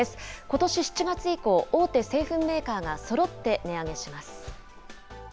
ことし７月以降、大手製粉メーカーがそろって値上げします。